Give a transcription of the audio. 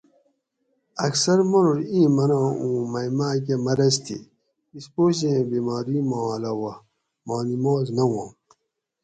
اکثر مانوڛ ایں مناۤں اوں مئی ماکہ مرض تھی (اسپوجیں بیماری ما علاوہ) ماں نماز نہ ہواں